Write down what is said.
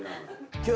今日。